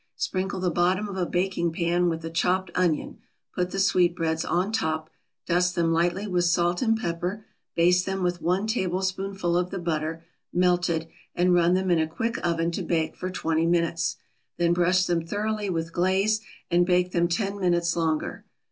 Sprinkle the bottom of a baking pan with a chopped onion, put the sweetbreads on top, dust them lightly with salt and pepper, baste them with one tablespoonful of the butter, melted, and run them in a quick oven to bake for twenty minutes. Then brush them thoroughly with glaze and bake them ten minutes longer.